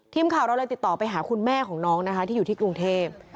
ทีมข่าวเราเลยติดต่อไปหาคุณแม่ของน้องนะคะที่อยู่ที่กรุงเทพ